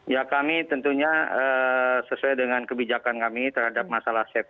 ya kami tentunya sesuai dengan kebijakan kami terhadap masalah sepak bola